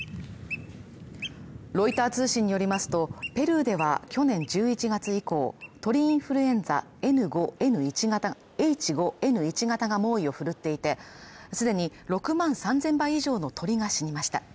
ロイター通信によりますと、ペルーでは、去年１１月以降、鳥インフルエンザＨ５Ｎ１型が猛威を振るっていて、既に６万３０００羽以上の鳥が死にました。